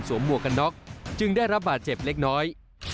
หมวกกันน็อกจึงได้รับบาดเจ็บเล็กน้อย